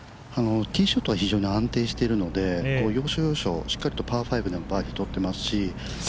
ティーショットは非常に安定しているので要所要所、しっかりとパー５でもバーディー取っ